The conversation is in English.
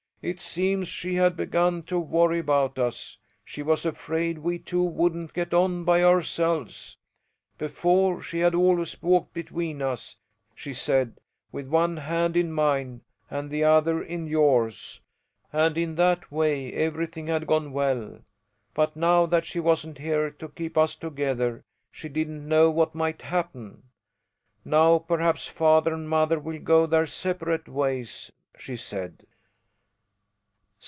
"It seems she had begun to worry about us; she was afraid we two wouldn't get on by ourselves. Before she had always walked between us, she said, with one hand in mine and the other in yours, and in that way everything had gone well. But now that she wasn't here to keep us together she didn't know what might happen, 'Now perhaps father and mother will go their separate ways,' she said."